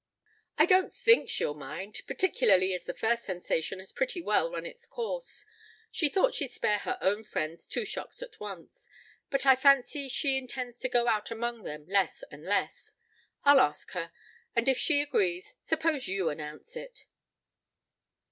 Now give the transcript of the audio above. "I don't think she'll mind, particularly as the first sensation has pretty well run its course she thought she'd spare her own friends two shocks at once. But I fancy she intends to go out among them less and less. I'll ask her, and if she agrees, suppose you announce it?"